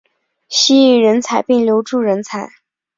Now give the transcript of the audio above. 吸引人才并留住人才